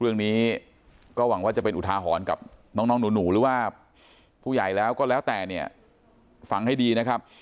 เรื่องนี้ก็หวังว่าจะเป็นอุทาหรณ์กับน้องหนูหรือว่าผู้ใหญ่แล้วก็แล้วแต่เนี่ยฟังให้ดีนะครับ